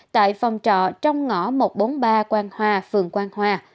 tại phòng trọ trong ngõ một trăm bốn mươi ba quang hoa phường quang hòa